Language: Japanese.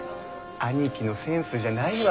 兄貴のセンスじゃないわ。